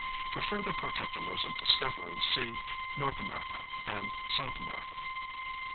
For further particulars of discovery see North America and South America.